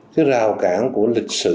cái rào cản của lịch sử